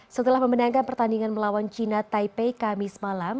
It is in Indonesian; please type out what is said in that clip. setelah memenangkan pertandingan melawan china taipei kamis malam